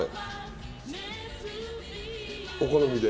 お好みで。